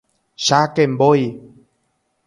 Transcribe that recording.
Cháke mbói